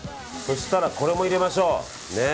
そしたら、これも入れましょう。